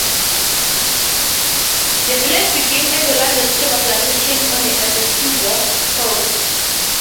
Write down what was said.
The village began as the largest sugar plantation on the Essequibo Coast.